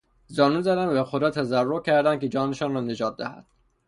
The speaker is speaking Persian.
زانو زدند و به خدا تضرع کردند که جانشان را نجات دهد.